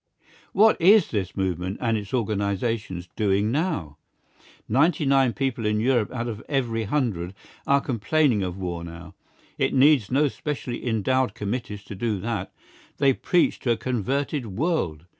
What is this movement and its organisations doing now? Ninety nine people in Europe out of every hundred are complaining of war now. It needs no specially endowed committees to do that. They preach to a converted world.